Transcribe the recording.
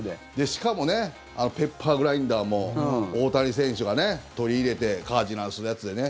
しかもねあのペッパーグラインダーも大谷選手がね、取り入れてカージナルスのやつでね。